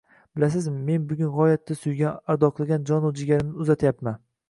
Bilasizmi, men bugun g`oyatda suygan, ardoqlagan jonu jigarimni uzatyapman